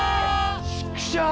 チクショー！